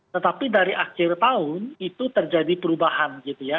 tetapi dari akhir tahun itu terjadi perubahan gitu ya